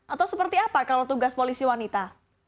atau seperti apa kalau tugas polisi wanita